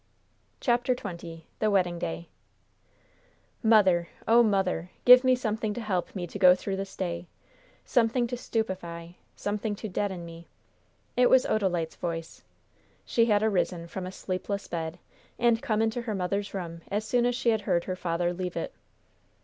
CHAPTER XX THE WEDDING DAY "Mother; Oh, mother! Give me something to help me to go through this day something to stupefy something to deaden me!" It was Odalite's voice. She had arisen from a sleepless bed, and come into her mother's room as soon as she had heard her father leave it.